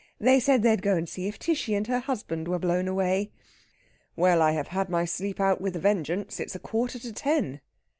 They said they'd go and see if Tishy and her husband were blown away." "Well, I have had my sleep out with a vengeance. It's a quarter to ten."